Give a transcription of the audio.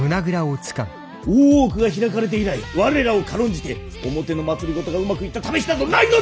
大奥が開かれて以来我らを軽んじて表の政がうまくいったためしなどないのだぞ！